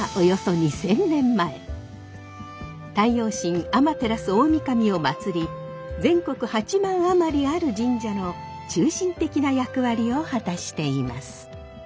太陽神天照大神を祭り全国８万余りある神社の中心的な役割を果たしています。